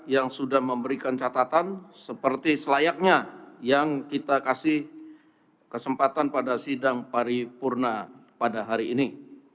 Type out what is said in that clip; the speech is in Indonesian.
yang sudah memberikan catatan seperti selayaknya yang kita kasih kesempatan pada sidang paripurna pada hari ini